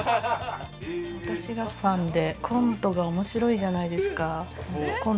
私がファンで、コントが面白いじゃないですか。